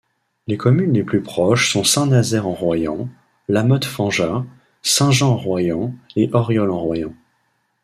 Les communes les plus proches sont Saint-Nazaire-en-Royans, La Motte-Fanjas, Saint-Jean-en-Royans et Oriol-en-Royans.